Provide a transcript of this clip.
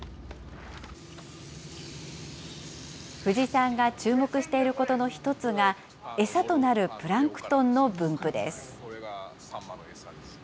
冨士さんが注目していることの１つが、餌となるプランクトンの分布です。